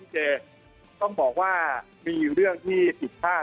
จะต้องบอกว่ามีเรื่องที่ผิดพลาด